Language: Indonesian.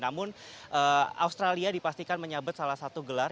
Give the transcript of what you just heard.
namun australia dipastikan menyabet salah satu gelar